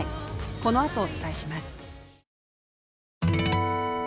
このあとお伝えします。